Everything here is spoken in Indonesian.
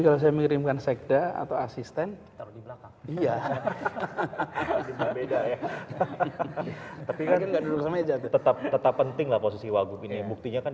saya bisa mengirimkan sekda atau asisten iya tetap tetap pentinglah posisi wakil ini buktinya kan